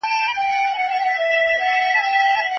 خو د ملا په زړه کې یو بدلون راغلی و.